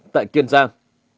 tại kiên giang